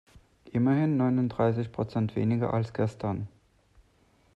Immerhin neununddreißig Prozent weniger als gestern.